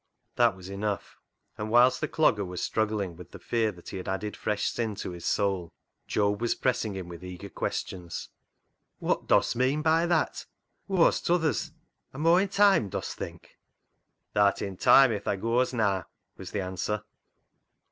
That was enough; and whilst the Clogger 70 CLOG SHOP CHRONICLES was struggling with the fear that he had added fresh sin to his soul, Job was pressing him with eager questions —" Wot dost meean by that ? Whoa's t'others ? Am Aw i' time, dost think?" " Th'art i' time if tha goas naa," was the answer.